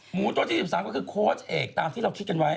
หมูตัวที่๑๓ก็คือโค้ชเอกตามที่เราคิดกันไว้